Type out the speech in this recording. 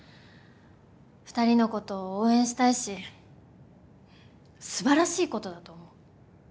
二人のことを応援したいしすばらしいことだと思う。